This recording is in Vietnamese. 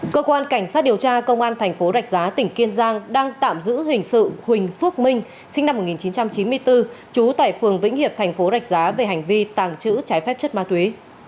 cơ quan cảnh sát điều tra công an thành phố rạch giá tỉnh kiên giang đang tạm giữ hình sự huỳnh phước minh sinh năm một nghìn chín trăm chín mươi bốn trú tại phường vĩnh hiệp thành phố rạch giá về hành vi tàng trữ trái phép chất ma túy